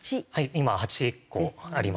今８個あります。